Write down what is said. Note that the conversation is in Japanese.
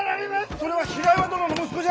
それは平岩殿の息子じゃ！